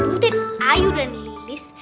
udit ayu dan lilis